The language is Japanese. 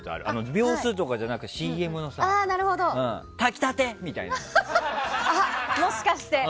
秒数とかじゃなくてＣＭのさ炊き立て！みたいな。